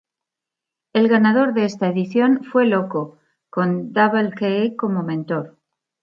El ganador de esta edición fue Loco, con Double K como mentor.